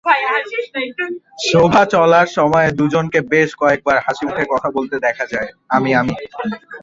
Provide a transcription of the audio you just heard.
সভা চলার সময় দুজনকে বেশ কয়েকবার হাসিমুখে কথা বলতে দেখা যায়।